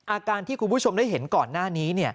อาการที่คุณผู้ชมได้เห็นก่อนหน้านี้